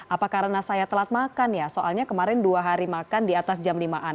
apa karena saya telat makan ya soalnya kemarin dua hari makan di atas jam lima an